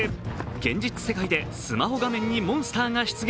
現実世界でスマホ画面にモンスターが出現。